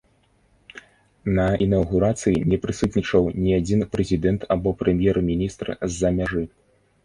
На інаўгурацыі не прысутнічаў ні адзін прэзідэнт або прэм'ер-міністр з-за мяжы.